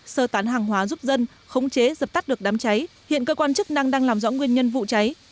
sơ tán hàng hóa giúp dân khống chế dập tắt được đám cháy hiện cơ quan chức năng đang làm rõ nguyên nhân vụ cháy